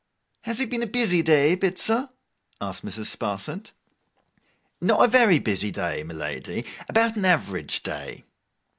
'Has it been a busy day, Bitzer?' asked Mrs. Sparsit. 'Not a very busy day, my lady. About an average day.